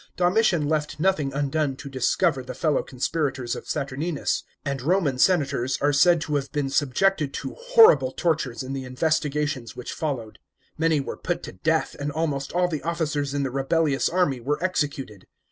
Domitian left nothing undone to discover the fellow conspirators of Saturninus, and Roman senators are said to have been subjected to horrible tortures in the investigations which followed. Many were put to death, and almost all the officers in the rebellious army were executed.